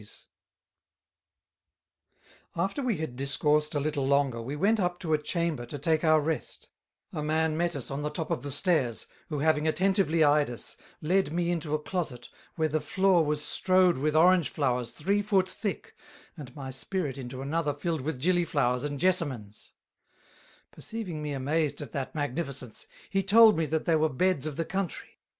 [Sidenote: The Manner of Lighting] After we had discoursed a little longer, we went up to a Chamber to take our rest; a Man met us on the top of the Stairs, who having attentively Eyed us, led me into a Closet where the floor was strowed with Orang Flowers Three Foot thick, and my Spirit into another filled with Gilly Flowers and Jessamines: Perceiving me amazed at that Magnificence, he told me they were the Beds of the Country.